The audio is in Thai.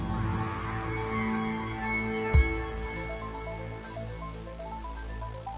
เหมือนกับเพราะเรา